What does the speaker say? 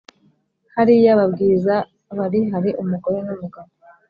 hariya babwiza bari hari umugore numugabo